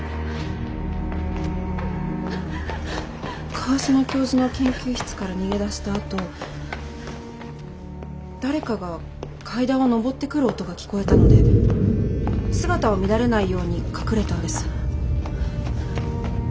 川島教授の研究室から逃げ出したあと誰かが階段を上ってくる音が聞こえたので姿を見られないように隠れたんです。